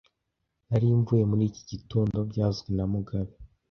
Nari mvuye muri iki gitondo byavuzwe na mugabe